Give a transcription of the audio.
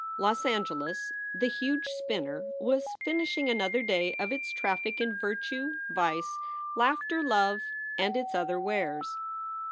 Los Angeles, the huge Spinner, was finishing another day of its traffic in virtue, vice, laughter, love, and its other wares.